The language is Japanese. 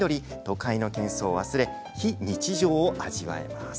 都会のけん騒を忘れ非日常を味わえます。